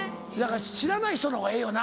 知らない人のほうがええよな。